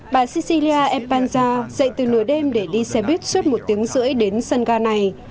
bà cecilia epanza dậy từ nửa đêm để đi xe buýt suốt một tiếng rưỡi đến sân ga này